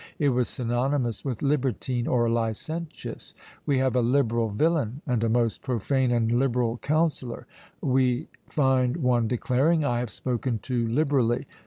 It was synonymous with "libertine or licentious;" we have "a liberal villain" and "a most profane and liberal counsellor;" we find one declaring "I have spoken too liberally."